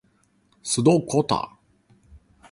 蕭邦嘅幻想即興曲真係好鬼難彈